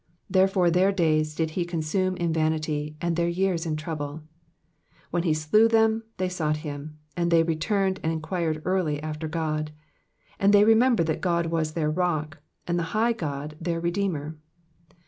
33 Therefore their days did he consume in vanity, and their years in trouble. 34 When he slew them, then they sought him : and they returned and enquired early after God. 35 And they remembered that God was their rock, and the high God their redeemer.